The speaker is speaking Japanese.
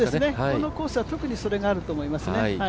このコースは特にそれがあると思いますね。